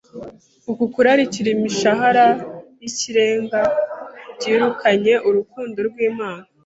Uku kurarikira imishahara y’ikirenga byirukanye urukundo rw’Imana